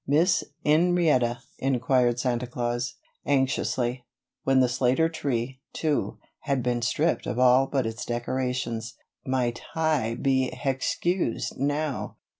"Miss 'Enrietta," inquired Santa Claus, anxiously, when the Slater tree, too, had been stripped of all but its decorations, "might Hi be hexcused now?